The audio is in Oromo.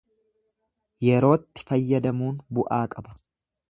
Yerootti fayyadamuun bu'aa qaba.